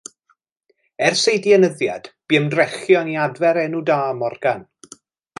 Ers ei dienyddiad, bu ymdrechion i adfer enw da Morgan.